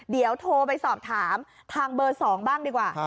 เดี๋ยวโทรไปสอบถามทางเบอร์๒บ้างดีกว่า